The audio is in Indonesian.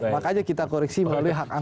makanya kita koreksi melalui hak angk